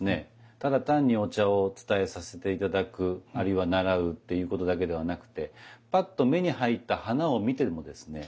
ただ単にお茶を伝えさせて頂くあるいは習うということだけではなくてぱっと目に入った花を見てもですね